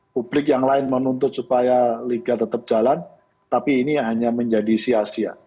publik yang lain menuntut supaya liga tetap jalan tapi ini hanya menjadi sia sia